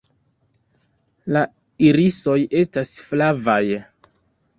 La irisoj estas flavaj.